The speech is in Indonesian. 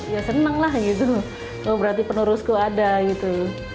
ya seneng lah gitu loh berarti penerusku ada gitu